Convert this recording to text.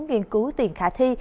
nghiên cứu tiền khả thi